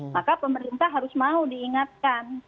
maka pemerintah harus mau diingatkan